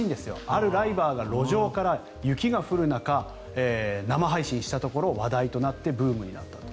あるライバーが路上から雪が降る中、生配信したところ話題となってブームになったと。